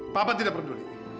papa tidak peduli